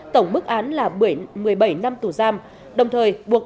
tổng bức án là một mươi bảy năm tù giam